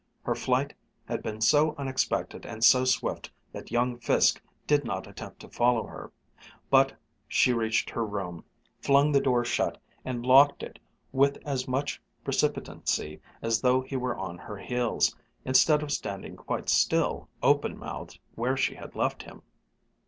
Her flight had been so unexpected and so swift that young Fiske did not attempt to follow her; but she reached her room, flung the door shut, and locked it with as much precipitancy as though he were on her heels, instead of standing quite still, open mouthed, where she had left him.